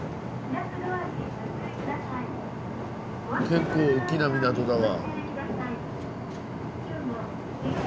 結構大きな港だわ。